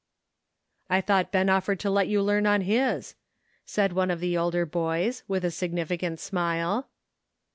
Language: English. " I thought Ben offered to let you learn on his," said one of the older boys, with a signifi cant smile.